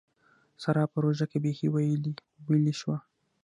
سارا په روژه کې بېخي ويلې شوه.